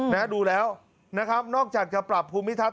นะดูแล้วนะครับนอกจากจะปรับภูมิทัศ